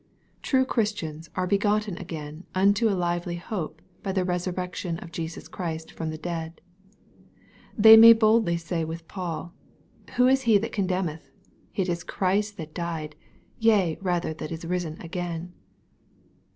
True Christians are " begotten again unto a lively hope by the resurrection of Jesus Christ from the dead." They may boldly say with Paul, " Who is he that condemneth : it is Christ that died, yea rather that is risen again.''